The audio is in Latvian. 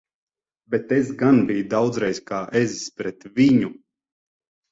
Bet es gan biju daudzreiz kā ezis pret viņu!